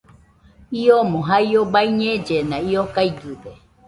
Iomo jaio baiñellena, io gaigɨde